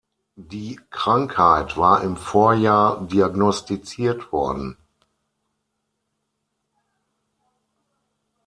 Die Krankheit war im Vorjahr diagnostiziert worden.